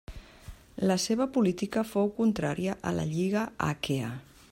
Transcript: La seva política fou contrària a la Lliga Aquea.